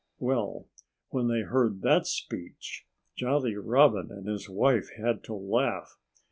Well, when they heard that speech Jolly Robin and his wife had to laugh.